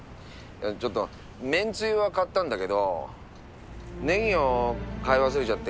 ちょっと麺つゆは買ったんだけどネギを買い忘れちゃって。